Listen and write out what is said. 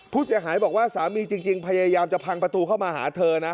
ผู้เสียหายบอกว่าสามีจริงพยายามจะพังประตูเข้ามาหาเธอนะ